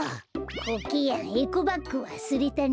コケヤンエコバッグわすれたね？